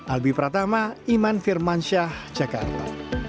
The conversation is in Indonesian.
albi pratama iman firmansyah jakarta